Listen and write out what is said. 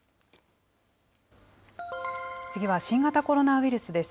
次は新型コロナウイルスです。